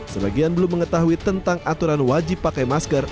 sebagian belum mengetahui tentang aturan wajib pakai masker